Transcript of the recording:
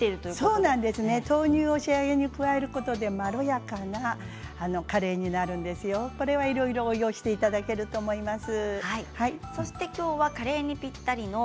豆乳を仕上げに加えることでまろやかなカレーになるんですよ、これを応用していただければと思います。